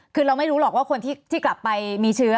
คือเราไม่รู้หรอกว่าคนที่กลับไปมีเชื้อ